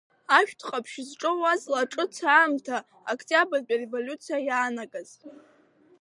Ашәҭ ҟаԥшь зҿоу аҵла аҿыц аамҭа, Октиабртәи ареволиуциа иаанагаз.